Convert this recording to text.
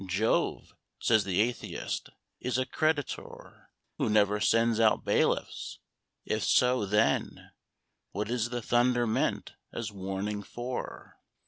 Jove, says the atheist, is a creditor Who never sends out bailiffs; if so, then What is the thunder meant as warning for?